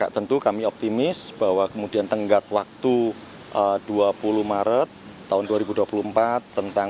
tentu kami optimis bahwa kemudian tenggat waktu dua puluh maret tahun dua ribu dua puluh empat tentang